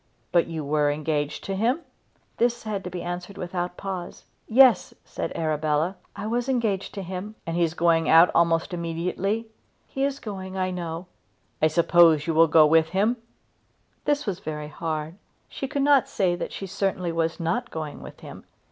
"But you were engaged to him?" This had to be answered without a moment's pause. "Yes," said Arabella; "I was engaged to him." "And he is going out as minister to Patagonia almost immediately?" "He is going, I know." "I suppose you will go with him?" This was very hard. She could not say that she certainly was not going with him.